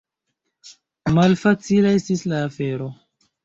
Malfacila estis la afero.